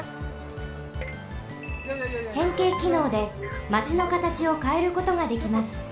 へんけいきのうでマチの形をかえることができます。